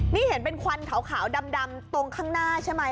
นี่เห็นเป็นควันขาวดำตรงข้างหน้าใช่ไหม